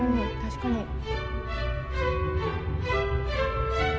確かに。